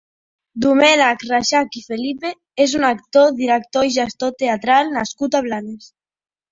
Domènec Reixach i Felipe és un actor, director i gestor teatral nascut a Blanes.